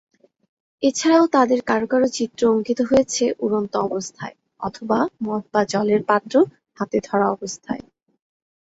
এছাড়াও তাদের কারও কারও চিত্র অঙ্কিত হয়েছে উড়ন্ত অবস্থায় অথবা মদ বা জলের পাত্র হাতে ধরা অবস্থায়।